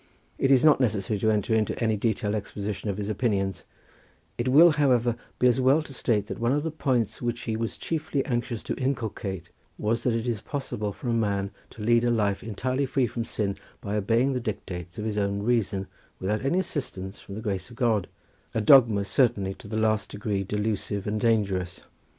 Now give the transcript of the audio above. It is not necessary to enter into any detailed exposition of his opinions; it will, however, be as well to state that one of the points which he was chiefly anxious to inculcate was that it is possible for a man to lead a life entirely free from sin by obeying the dictates of his own reason without any assistance from the grace of God—a dogma certainly to the last degree delusive and dangerous.